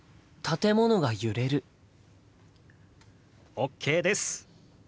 ＯＫです！